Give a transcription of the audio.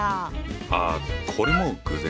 ああこれも偶然。